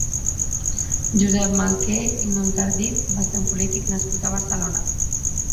Josep Maluquer i Montardit va ser un polític nascut a Barcelona.